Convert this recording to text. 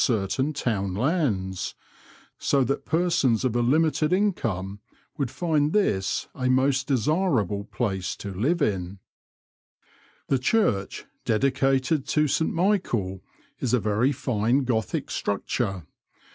certain town lands ; so that persons of limited income would find this a most desirable place to live in. The church, dedicated to St Michael, is a very fine Gothic structure.